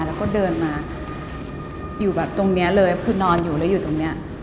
แล้วก็เดินมาอยู่แบบตรงนี้เลยคือนอนอยู่แล้วอยู่ตรงนี้